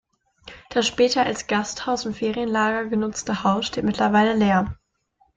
Das später als Gasthaus und Ferienlager genutzte Haus steht mittlerweile leer.